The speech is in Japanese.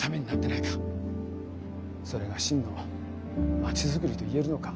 それが真の街づくりと言えるのか。